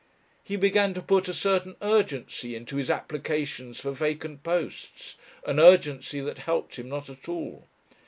He began to put a certain urgency into his applications for vacant posts, an urgency that helped him not at all.